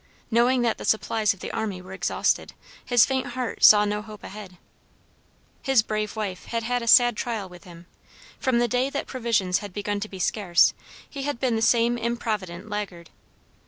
Knowing that the supplies of the army were exhausted, his faint heart saw no hope ahead. His brave wife had had a sad trial with him. From the day that provisions had began to be scarce he had been the same improvident laggard.